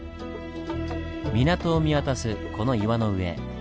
港を見渡すこの岩の上。